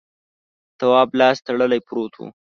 تواب لاس تړلی پروت و.